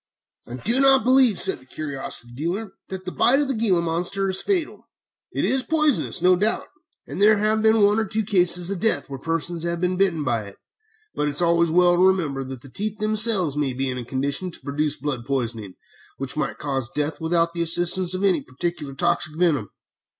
"I do not believe," said the curiosity dealer, "that the bite of the gila monster is fatal. It is poisonous, no doubt, and there have been one or two cases of death where persons have been bitten by it, but it is always well to remember that the teeth themselves may be in a condition to produce blood poisoning, which might cause death without the assistance of any particular toxic venom.